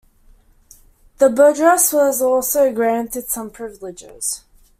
The burgesses were also granted some privileges.